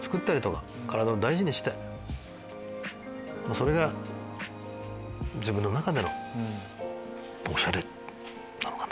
それが自分の中でのおしゃれなのかな。